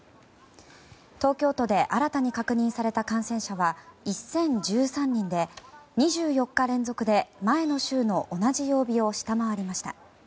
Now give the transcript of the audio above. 東京都で新たに確認された感染者は１０１３人で２４日連続で前の週の同じ曜日を下回りました。